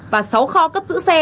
và sáu kho cấp giữ xe